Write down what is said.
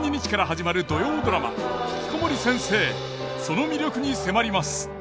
その魅力に迫ります。